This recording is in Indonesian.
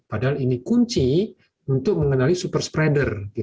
padahal ini kunci untuk mengenali super spreader